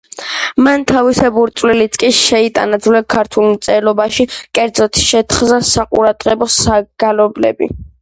მან თავისებური წვლილიც კი შეიტანა ძველ ქართულ მწერლობაში, კერძოდ, შეთხზა საყურადღებო საგალობლები.